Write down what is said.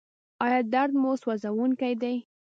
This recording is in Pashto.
ایا درد مو سوځونکی دی؟